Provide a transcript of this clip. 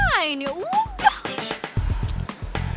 fine ya udah